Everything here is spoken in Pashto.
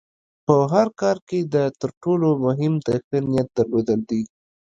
په هر کار کې د تر ټولو مهم د ښۀ نیت درلودل دي.